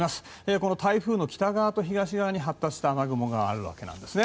この台風の北側と東側に発達した雨雲があるわけですね。